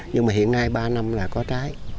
nhưng mà hiện nay ba năm là có trái